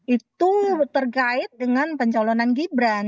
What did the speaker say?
itu terkait dengan pencalonan gibran